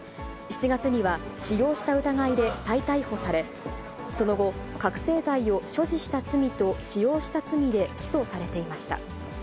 ７月には使用した疑いで再逮捕され、その後、覚醒剤を所持した罪と使用した罪で起訴されていました。